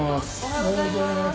おはようございます。